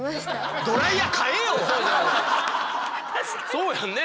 そうやんね。